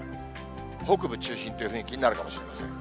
北部中心という雰囲気になるかもしれません。